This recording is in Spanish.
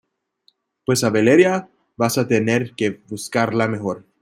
pues a Valeria vas a tener que buscarla mejor